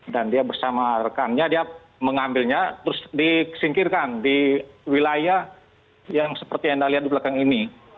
dan dia bersama rekannya dia mengambilnya terus disingkirkan di wilayah yang seperti yang anda lihat di belakang ini